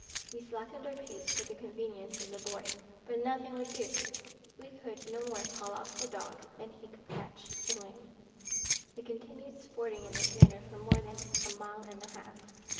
We slackened our pace for the convenience of the boy, but nothing would do; we could no more call off the dog than he could catch the lamb. They continued sporting in this manner for more than a mile and a half.